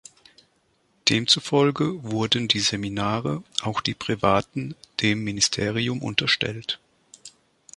Demzufolge wurden die Seminare, auch die privaten, dem Ministerium unterstellt.